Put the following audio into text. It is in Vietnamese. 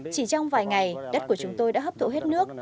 chỉ trong vài ngày đất của chúng tôi đã hấp thụ hết nước